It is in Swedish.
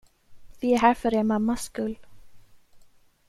Vi är här för er mammas skull.